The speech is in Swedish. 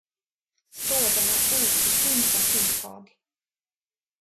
Sådana oförsynta tilltag!